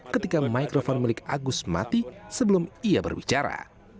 ketika microphone milik agus mati sebelum ia berbicara